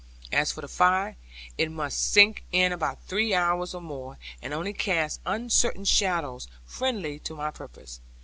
As for the fire, it must sink in about three hours or more, and only cast uncertain shadows friendly to my purpose.